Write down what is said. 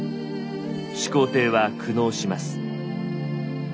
始皇帝は苦悩します。